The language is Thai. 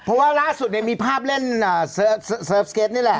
เพราะว่าร่าสุดมีภาพเล่นนี่แหละ